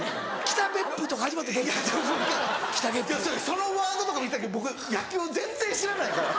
そのワードとかも僕野球全然知らないから。